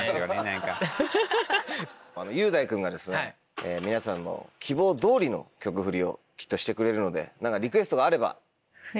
雄大君がですね皆さんの希望通りの曲フリをきっとしてくれるので何かリクエストがあれば。